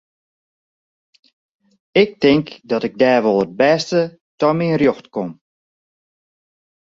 Ik tink dat ik dêr wol it bêste ta myn rjocht kom.